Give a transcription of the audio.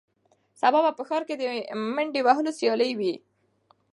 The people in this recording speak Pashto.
سبا به په ښار کې د منډې وهلو سیالي وي.